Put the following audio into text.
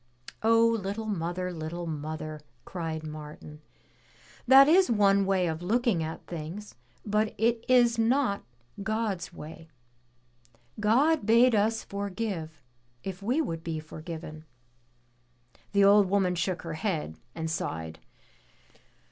"Oh, little mother, little mother," cried Martin, "that is one way of looking at things but it is not God's way. God bade us forgive if we would be forgiven." The old woman shook her head and sighed.